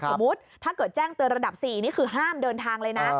ถ้าเกิดแจ้งเตือนระดับ๔นี่คือห้ามเดินทางเลยนะ